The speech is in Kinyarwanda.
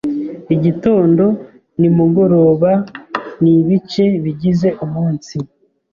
Igitondo nimugoroba nibice bigize umunsi